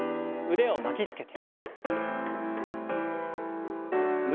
腕を巻きつけて。